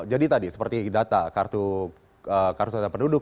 jadi tadi seperti data kartu penduduk